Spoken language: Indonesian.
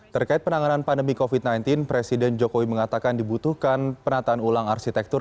terkait penanganan pandemi covid sembilan belas presiden jokowi mengatakan dibutuhkan penataan ulang arsitektur